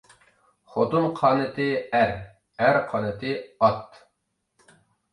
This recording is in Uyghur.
خوتۇن قانىتى ئەر، ئەر قانىتى ئات.